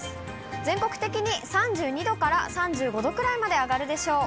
全国的に３２度から３５度くらいまで上がるでしょう。